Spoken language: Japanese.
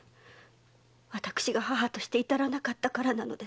私が母として至らなかったからなのです。